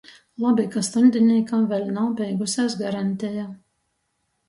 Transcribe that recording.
Labi, ka stuņdinīkam vēļ nav beigusēs garaņteja!